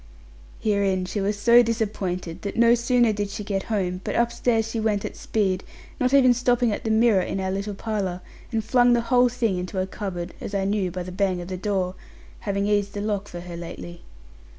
Herein she was so disappointed, that no sooner did she get home, but upstairs she went at speed, not even stopping at the mirror in our little parlour, and flung the whole thing into a cupboard, as I knew by the bang of the door, having eased the lock for her lately.